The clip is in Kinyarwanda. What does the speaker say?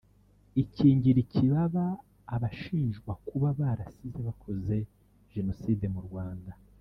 ikingira ikibaba abashinjwa kuba barasize bakoze Jenoside mu Rwanda